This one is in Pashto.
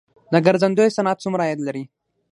د ګرځندوی صنعت څومره عاید لري؟